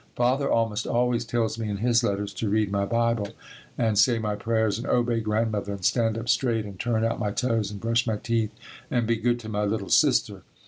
Father almost always tells me in his letters to read my Bible and say my prayers and obey Grandmother and stand up straight and turn out my toes and brush my teeth and be good to my little sister.